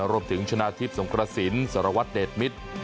รวมถึงชนะธิพย์สงครสินสรวจเดทมิตร